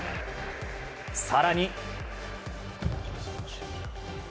更に。